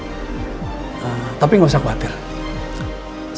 saya baru saja mendapatkan informasi dari acara seminar itu